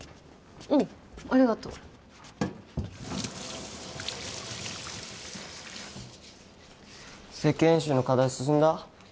うんありがとう設計演習の課題進んだ？